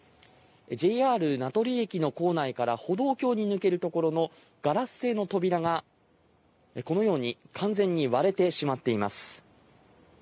ＪＲ名取駅の構内から歩道橋に抜けるところのガラス製の扉がこのように完全に割れてしまっています。